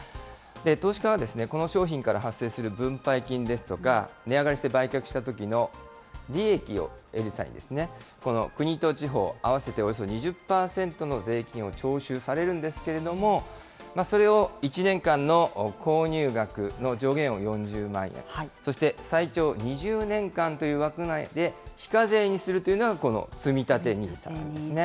投資家は、この商品から発生する分配金ですとか、値上がりして売却したときの利益を得る際に、この国と地方合わせておよそ２０％の税金を徴収されるんですけれども、それを１年間の購入額の上限を４０万円、そして最長２０年間という枠内で、非課税にするというのがこのつみたてＮＩＳＡなんですね。